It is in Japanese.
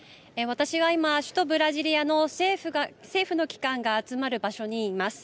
私は今首都ブラジリアの政府の機関が集まる場所にいます。